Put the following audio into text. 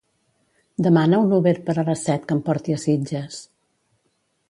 Demana un Uber per a les set que em porti a Sitges.